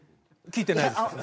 聞いてないです。